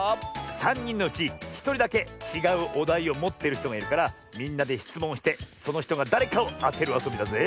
さんにんのうちひとりだけちがうおだいをもってるひとがいるからみんなでしつもんをしてそのひとがだれかをあてるあそびだぜ。